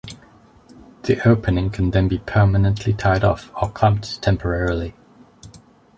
The opening can then be permanently tied off or clamped temporarily.